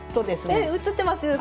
映ってます。